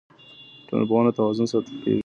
ټولنيز توازن ساتل کيږي.